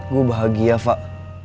gue bahagia fak